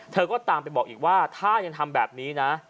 เธอก็ตามไปบอกอีกว่าถ้ายังทำแบบนี้นะ